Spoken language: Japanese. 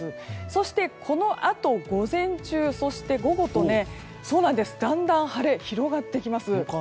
そしてこのあと午前中、そして午後とだんだん晴れが広がってきます。